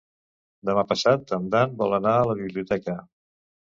Demà passat en Dan vol anar a la biblioteca.